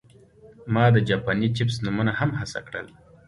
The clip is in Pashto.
ما د جاپاني چپس نومونه هم هڅه کړل